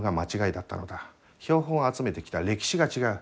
標本を集めてきた歴史が違う。